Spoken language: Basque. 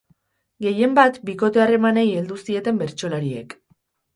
Gehienbat, bikote-harremanei heldu zieten bertsolariek.